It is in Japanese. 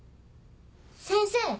先生